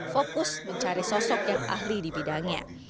fokus mencari sosok yang ahli di bidangnya